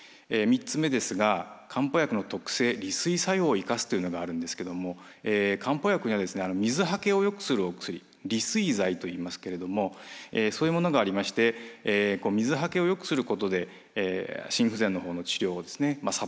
３つ目ですが漢方薬の特性利水作用を生かすというのがあるんですけども漢方薬には水はけをよくするお薬利水剤といいますけれどもそういうものがありまして水はけをよくすることで心不全のほうの治療をサポートするということができます。